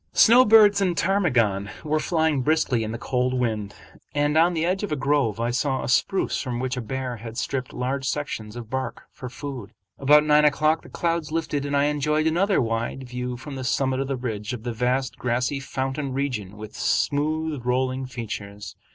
Snowbirds and ptarmigan were flying briskly in the cold wind, and on the edge of a grove I saw a spruce from which a bear had stripped large sections of bark for food. About nine o'clock the clouds lifted and I enjoyed another wide view from the summit of the ridge of the vast grassy fountain region with smooth rolling features.